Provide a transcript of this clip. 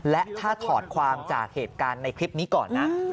และถ้าถอดความจากเหตุการณ์ในคลิปนี้ก่อนนะ